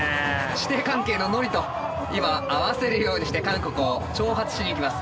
師弟関係のＮＯＲＩと今合わせるようにして韓国を挑発しにいきます。